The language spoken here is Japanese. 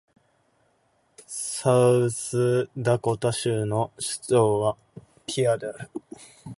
サウスダコタ州の州都はピアである